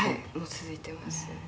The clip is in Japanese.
続いてます」